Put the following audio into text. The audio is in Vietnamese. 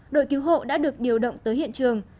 đội cứu hộ đã được điều động tới hiện trường